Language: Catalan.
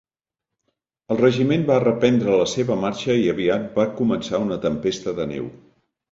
El regiment va reprendre la seva marxa i aviat va començar una tempesta de neu.